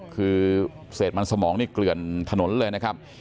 คือเศษมันสมองนี่เกลื่อนถนนเลยนะครับ